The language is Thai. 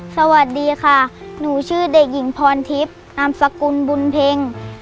สวัสดีค่ะหนูชื่อเด็กหญิงพรทิพย์นามสกุลบุญเพ็ง